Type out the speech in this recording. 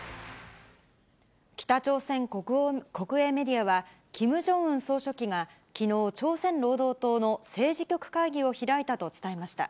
北朝鮮国営メディアは、キム・ジョンウン総書記が、きのう、朝鮮労働党の政治局会議を開いたと伝えました。